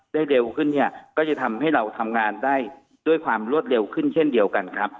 เร็วขึ้นเนี่ยก็จะทำให้เราทำงานได้ด้วยความรวดเร็วขึ้นเช่นเดียวกันครับ